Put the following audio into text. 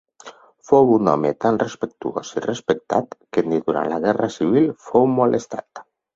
Fou un home tan respectuós i respectat que ni durant la guerra civil fou molestat.